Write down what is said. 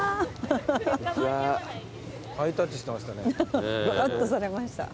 ハイタッチしてましたね。